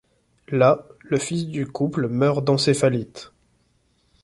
Là, le fils du couple meurt d'encéphalite.